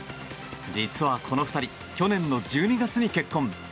実はこの２人去年の１２月に結婚。